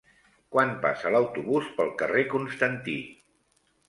Quan passa l'autobús pel carrer Constantí?